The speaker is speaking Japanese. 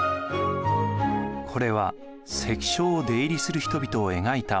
これは関所を出入りする人々を描いたもの。